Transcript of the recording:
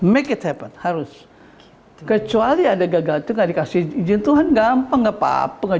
make it happen harus kecuali ada gagal juga dikasih izin tuhan gampang enggak papa nggak